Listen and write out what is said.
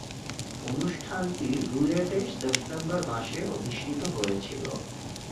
অনুষ্ঠানটি রুয়েটে সেপ্টেম্বর মাসে অনুষ্ঠিত হয়েছিলো।